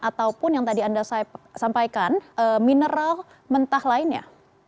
ataupun yang tadi anda sampaikan mineral mentah lainnya